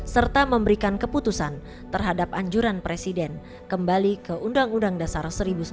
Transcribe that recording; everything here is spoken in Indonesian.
serta memberikan keputusan terhadap anjuran presiden kembali ke undang undang dasar seribu sembilan ratus empat puluh lima